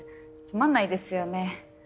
つまんないですよね。